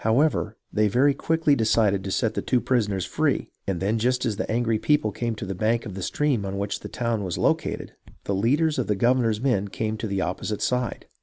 However, they very quickly decided to set the two prisoners free, and then just as the angry people came to the bank of the stream on which the town was located, the leaders of the governor's men came to the opposite side.